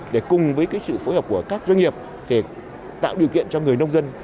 để cùng với sự phối hợp của các doanh nghiệp tạo điều kiện cho người nông dân